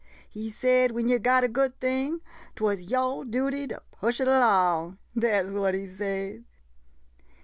He said when yo' got a good thing — 't was yo' duty to push it 'long. Dat 's what he said.